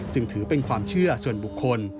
จึงถือเป็นความเชื่อส่วนบุคคล